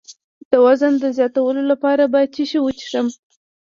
د وزن زیاتولو لپاره باید څه شی وڅښم؟